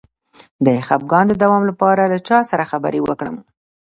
د خپګان د دوام لپاره له چا سره خبرې وکړم؟